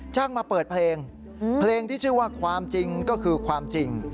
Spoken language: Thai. มาเปิดเพลงเพลงที่ชื่อว่าความจริงก็คือความจริง